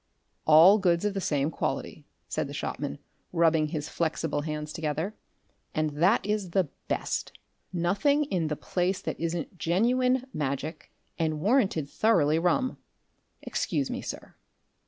"All goods of the same quality," said the shopman, rubbing his flexible hands together, "and that is the Best. Nothing in the place that isn't genuine Magic, and warranted thoroughly rum. Excuse me, sir!"